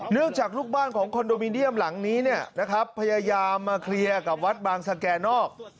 จากลูกบ้านของคอนโดมิเนียมหลังนี้พยายามมาเคลียร์กับวัดบางสแก่นอก